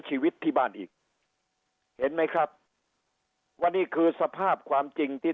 ชีวิตที่บ้านอีกเห็นไหมครับว่านี่คือสภาพความจริงที่